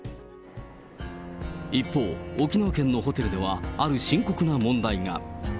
一方、沖縄県のホテルではある深刻な問題が。